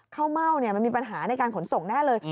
เม่ามันมีปัญหาในการขนส่งแน่เลย